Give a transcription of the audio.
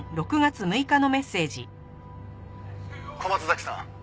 「小松崎さん